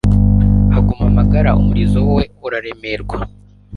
haguma amagara umurizo wo uramerwa